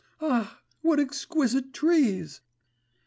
Ah, what exquisite trees!